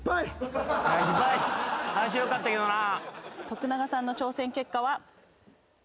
徳永さんの挑戦結果は。